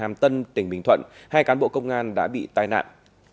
hàm tân tỉnh bình thuận hai cán bộ công an đã bị tai nạn